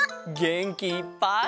げんきいっぱい！